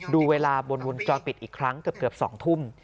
ดูเวลาบนวงจรปิดอีกครั้งเกือบ๒ทุ่ม